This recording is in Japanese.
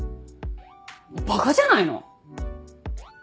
バカじゃないの⁉